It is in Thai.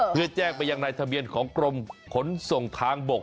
เพื่อแจ้งไปยังในทะเบียนของกรมขนส่งทางบก